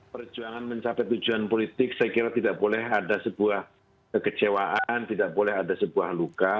perjuangan mencapai tujuan politik saya kira tidak boleh ada sebuah kekecewaan tidak boleh ada sebuah luka